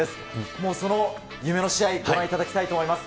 もうその夢の試合、ご覧いただきたいと思います。